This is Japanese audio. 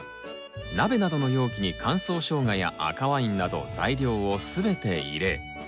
鍋などの容器に乾燥ショウガや赤ワインなど材料を全て入れ